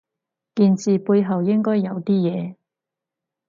件事背後應該有啲嘢